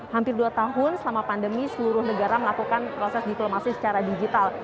hampir dua tahun selama pandemi seluruh negara melakukan proses diplomasi secara digital